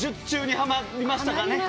ハマりましたね。